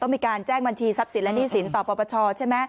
มีการแจ้งบัญชีทรัพย์สินและหนี้สินต่อปปชใช่ไหม